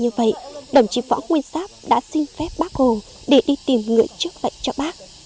trước khi bác hồ ốm rất là nặng như vậy đồng chí võ nguyên giáp đã xin phép bác hồ để đi tìm người trước bệnh cho bác